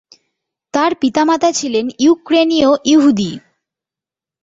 তার পিতামাতা ছিলেন ইউক্রেনীয় ইহুদি।